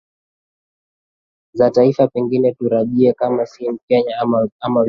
za taifa pengine tutarajie kama si kenya ama uganda